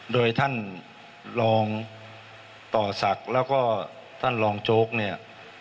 โดยท่านรองต่อศักดิ์แล้วก็ท่านรองโจ๊กเนี่ย